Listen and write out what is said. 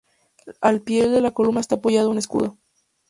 Al pie de la columna está apoyado un escudo.